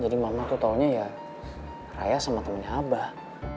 jadi mama tuh taunya ya raya sama temennya abah